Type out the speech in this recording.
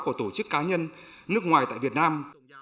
của tổ chức cá nhân nước ngoài tại việt nam